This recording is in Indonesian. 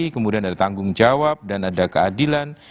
kemudian ada tanggung jawab dan ada keadilan